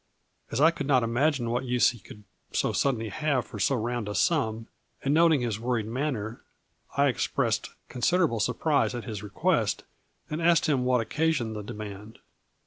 As I could not imagine what use he could so sud denly have for so round a sum, and noting his worried manner, I expressed considerable sur prise at his request, and asked him what occa sioned the demand.